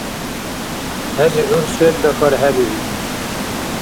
ХӀези гӀур селра хьархӀебиу.